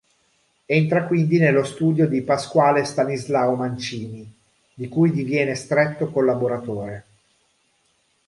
Entra quindi nello studio di Pasquale Stanislao Mancini, di cui diviene stretto collaboratore.